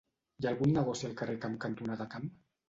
Hi ha algun negoci al carrer Camp cantonada Camp?